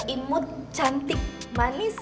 imut cantik manis